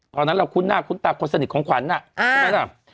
ตอนนั้นเราคุ้นหน้าคุ้นตาคนสนิทของขวัญใช่ไหมล่ะ